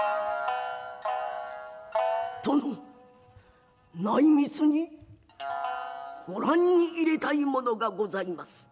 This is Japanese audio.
「殿ッ内密にご覧に入れたい物が御座います」。